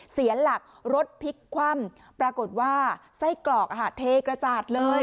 เสียหลักรถพลิกคว่ำปรากฏว่าไส้กรอกเทกระจาดเลย